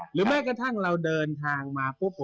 หรือแม้กระทั่งเราเดินทางมา